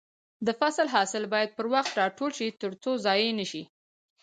د فصل حاصل باید پر وخت راټول شي ترڅو ضايع نشي.